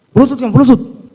berlutut pak berlutut